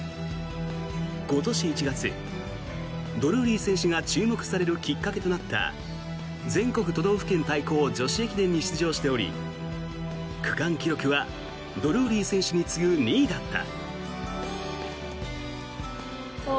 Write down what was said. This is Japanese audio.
今年１月、ドルーリー選手が注目されるきっかけとなった全国都道府県対抗女子駅伝に出場しており区間記録はドルーリー選手に次ぐ２位だった。